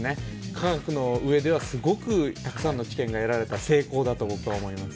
科学のうえではたくさんの知見が得られた成功だと僕は思います。